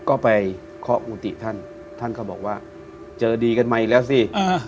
ก็ไปเคาะมูติท่านท่านก็บอกว่าเจอดีกันมั้ยแล้วสิเออ